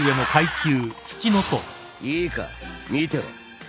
いいか見てろ。